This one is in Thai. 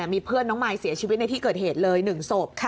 มีเพื่อนน้องมายเสียชีวิตในที่เกิดเหตุเลย๑ศพ